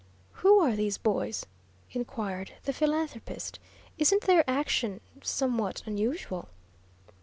"Who are these boys?" inquired the philanthropist. "Isn't their action somewhat unusual?"